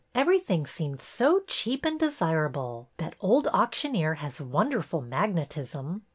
Everything seemed so cheap and desirable! That old auctioneer has wonder ful magnetism."